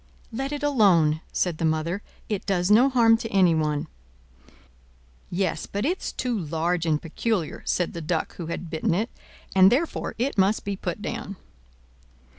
"Let it alone," said the mother: "it does no harm to anyone." "Yes, but it's too large and peculiar," said the Duck who had bitten it; "and therefore it must be put down."